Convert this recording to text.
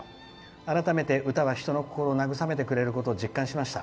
改めて、歌が人の心を慰めてくれることを実感しました。